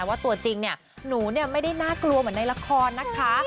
ว่าตัวจริงเนี่ยหนูไม่ได้น่ากลัวเหมือนในละครนะคะ